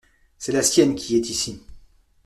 C’est la sienne qui est ici.